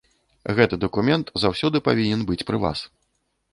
Гэты дакумент заўсёды павінен быць пры вас.